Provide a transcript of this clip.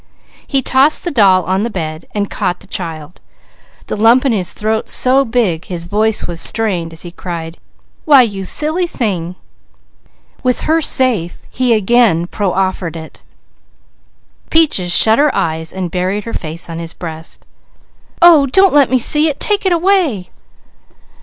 He tossed the doll on the bed, and caught the child, the lump in his throat so big his voice was strained as he cried: "Why you silly thing!" With her safe he again proffered it. Peaches shut her eyes and buried her face on his breast. "Oh don't let me see it! Take it away!"